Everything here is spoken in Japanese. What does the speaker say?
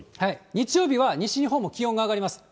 日曜日は西日本も気温が上がります。